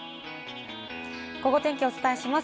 ゴゴ天気お伝えします。